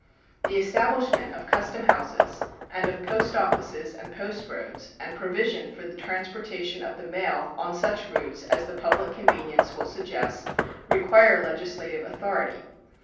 The establishment of custom houses and of post offices and post roads and provision for the transportation of the mail on such routes as the public convenience will suggest require legislative authority.